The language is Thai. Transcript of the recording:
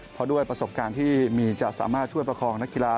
เพราะด้วยประสบการณ์ที่มีจะสามารถช่วยประคองนักกีฬา